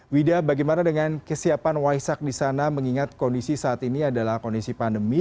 wida bagaimana dengan kesiapan waisak di sana mengingat kondisi saat ini adalah kondisi pandemi